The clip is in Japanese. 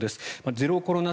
ゼロコロナ